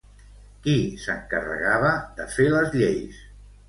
Qui s'encarregava de fer les lleis?